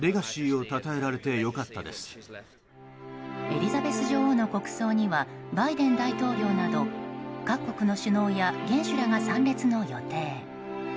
エリザベス女王の国葬にはバイデン大統領など各国の首脳や元首らが参列の予定。